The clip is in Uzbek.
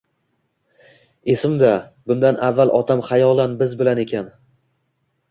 Esimda, bundan avval otam xayolan biz bilan ekan.